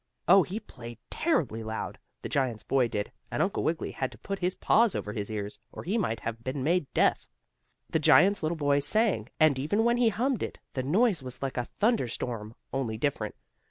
Oh, he played terribly loud, the giant's boy did, and Uncle Wiggily had to put his paws over his ears, or he might have been made deaf. Then the giant's little boy sang, and even when he hummed it the noise was like a thunder storm, only different.